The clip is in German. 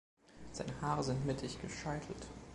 Seine Haare sind mittig gescheitelt.